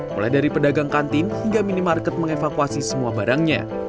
mulai dari pedagang kantin hingga minimarket mengevakuasi semua barangnya